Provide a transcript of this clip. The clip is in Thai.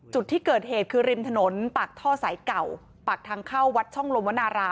จุดที่เกิดเหตุคือริมถนนปากท่อสายเก่าปากทางเข้าวัดช่องลมวนาราม